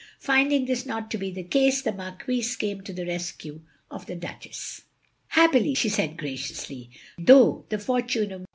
Finding this not to be the case, the Marquise came to the rescue of the Duchess. "Happily," she said, graciously, "though the forttine of M.